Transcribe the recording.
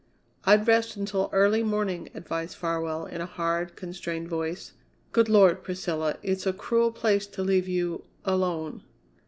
"I'd rest until early morning," advised Farwell in a hard, constrained voice. "Good Lord, Priscilla, it's a cruel place to leave you alone!"